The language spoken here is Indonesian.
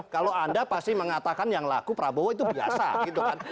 kalau anda pasti mengatakan yang laku prabowo itu biasa gitu kan